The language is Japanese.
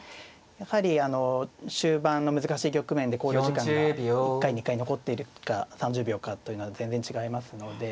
やはりあの終盤の難しい局面で考慮時間が１回２回残っているか３０秒かというのは全然違いますので。